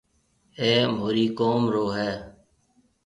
اَي مهورِي قوم رو هيَ۔